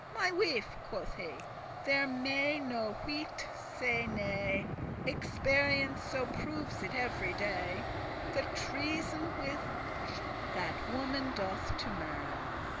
"My wife," quoth he, "there may no wight say nay, — Experience so proves it every day, — The treason which that woman doth to man.